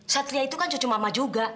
satria itu kan cucu mama juga